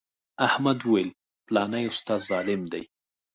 احمد ویل فلانی استاد ظالم دی.